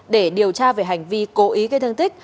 để điều tra về hành vi cố ý gây thương tích